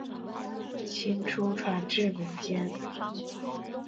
清初传至民间。